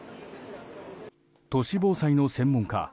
都市防災の専門家